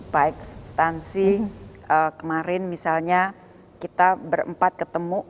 baik substansi kemarin misalnya kita berempat ketemu